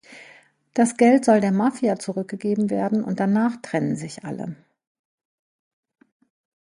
Das Geld soll der Mafia zurückgegeben werden und danach trennen sich alle.